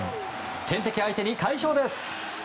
天敵相手に快勝です。